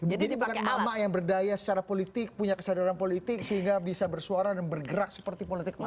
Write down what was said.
jadi bukan mama yang berdaya secara politik punya kesadaran politik sehingga bisa bersuara dan bergerak seperti politik mama ini